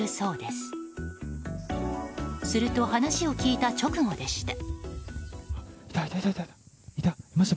すると、話を聞いた直後でした。